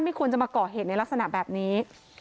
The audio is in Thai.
ไม่ควรจะมาก่อเหตุในลักษณะแบบนี้